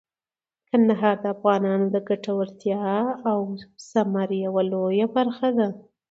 کندهار د افغانانو د ګټورتیا او ثمر یوه لویه برخه ده.